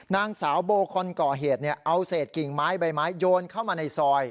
นางสาวโบคนก่อเหตุเอาเศษกิ่งไม้ใบไม้โยนเข้ามาในซอย